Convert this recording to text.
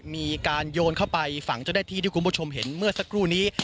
มีการโยนเข้าไปฝั่งเจ้าหน้าที่ที่คุณผู้ชมเห็นเมื่อสักครู่นี้